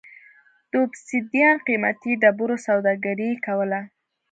د اوبسیدیان قېمتي ډبرو سوداګري کوله.